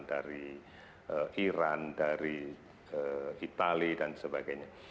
dari iran dari itali dan sebagainya